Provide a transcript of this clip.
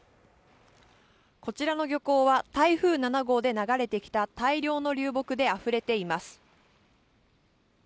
こちらの漁港は台風７号で流れてきた大量の流木であふれています